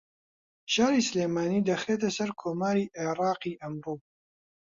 شاری سلێمانی دەخرێتە سەر کۆماری عێراقی ئەمڕۆ